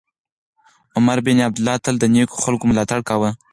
عمر بن عبیدالله تل د نېکو خلکو ملاتړ کاوه.